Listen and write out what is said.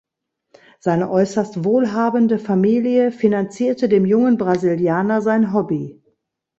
Seine äußerst wohlhabende Familie finanzierte dem jungen Brasilianer sein Hobby.